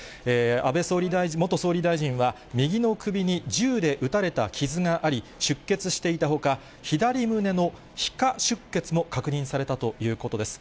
安倍元総理大臣は、右の首に銃で撃たれた傷があり、出血していたほか、左胸の皮下出血も確認されたということです。